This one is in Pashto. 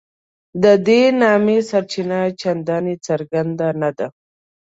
د دې نامه سرچینه چنداني څرګنده نه ده.